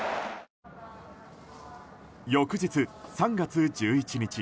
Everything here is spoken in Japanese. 翌日３月１１日。